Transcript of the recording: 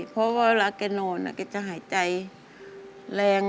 เพราะว่าเวลาแกนอนแกจะหายใจแรง